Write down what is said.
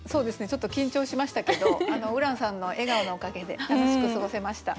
ちょっと緊張しましたけどＵｒａＮさんの笑顔のおかげで楽しく過ごせました。